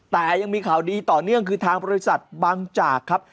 แต่ยังมีข่าวดีต่อเนื่องคือทางบริษัทบางจากครับ